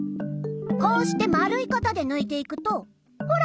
こうしてまるいかたでぬいていくとほら！